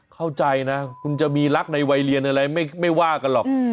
เข้าใจนะคุณจะมีรักในวัยเรียนอะไรไม่ว่ากันหรอก